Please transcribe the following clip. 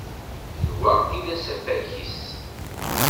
D wa i d asafag-is.